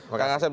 maka enggak seb